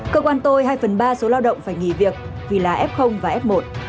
cơ quan tôi hai phần ba số lao động phải nghỉ việc vì là f và f một